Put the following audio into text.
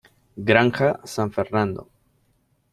Granja San Fernando.